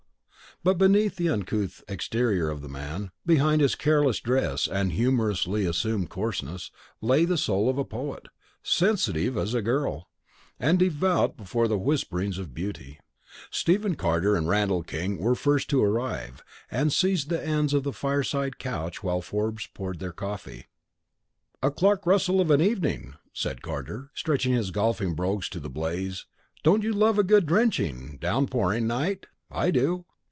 But beneath the uncouth exterior of the man, behind his careless dress and humorously assumed coarseness, lay the soul of a poet sensitive as a girl, and devout before the whisperings of Beauty. Stephen Carter and Randall King were first to arrive, and seized the ends of the fireside couch while Forbes poured their coffee. "A Clark Russell of an evening!" said Carter, stretching his golfing brogues to the blaze. "Don't you love a good drenching, downpouring night? I do!"